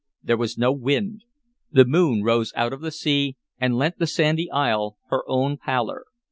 There was no wind. The moon rose out of the sea, and lent the sandy isle her own pallor.